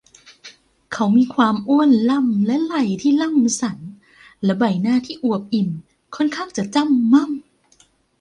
เขามีความอ้วนล่ำและไหล่ที่ล่ำสัน และใบหน้าที่อวบอิ่มค่อนข้างจะจ้ำม่ำ